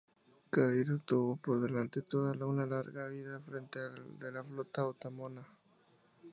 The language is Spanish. Khair-ad-Din tuvo por delante toda una larga vida al frente de la flota otomana.